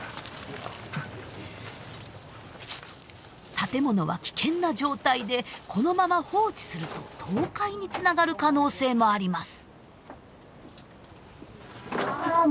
建物は危険な状態でこのまま放置すると倒壊につながる可能性もあります。